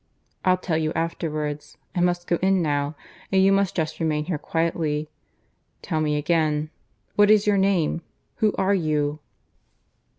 I'll tell you afterwards. I must go in now, and you must just remain here quietly. Tell me again. What is your name? Who are you?"